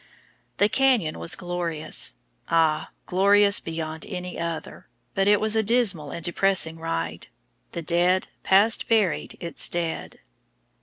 The canyon was glorious, ah! glorious beyond any other, but it was a dismal and depressing ride. The dead past buried its dead.